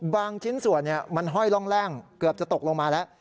ชิ้นส่วนมันห้อยร่องแร่งเกือบจะตกลงมาแล้ว